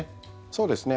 そうですね。